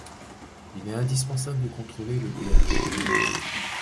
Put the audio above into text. Il est indispensable de contrôler le pH.